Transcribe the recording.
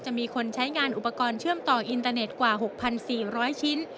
มีคนใช้งานอุปกรณ์เชื่อมต่ออินเตอร์เน็ตกว่า๖๔๐๐ชิ้น